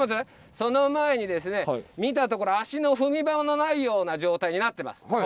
その前にですね見たところ足の踏み場もないような状態になってます。